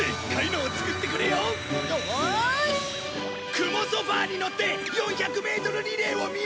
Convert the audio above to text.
雲ソファーに乗って４００メートルリレーを見よう！